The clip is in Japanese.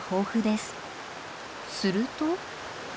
すると。